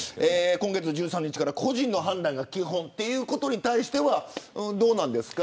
今月１３日から個人の判断が基本ということに対してはどうですか。